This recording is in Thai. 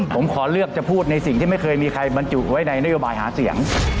ผมขอเลือกจะพูดในสิ่งที่ไม่เคยมีใครบรรจุไว้ในนโยบายหาเสียง